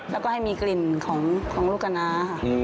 แล้วก็ให้มีกลิ่นของลูกกะน้าค่ะ